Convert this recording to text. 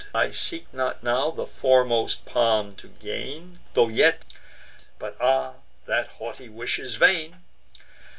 I seek not now the foremost palm to gain; Tho' yet——But, ah! that haughty wish is vain!